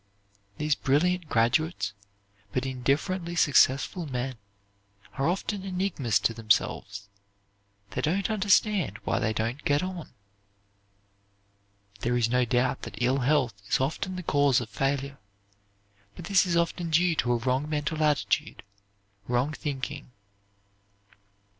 These brilliant graduates, but indifferently successful men, are often enigmas to themselves. They don't understand why they don't get on. There is no doubt that ill health is often the cause of failure, but this is often due to a wrong mental attitude, wrong thinking.